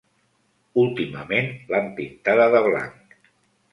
Últimament l'han pintada de blanc.